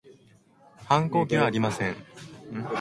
反抗期はありません